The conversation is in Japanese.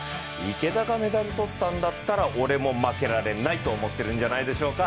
池田がメダル取ったんだったら俺も負けられないと思っているんじゃないでしょうか。